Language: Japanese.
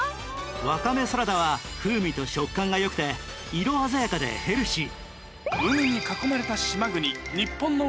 「ワカメサラダは風味と食感が良くて色鮮やかでヘルシー」。